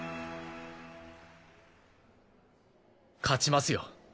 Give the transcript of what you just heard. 勝ちますよ。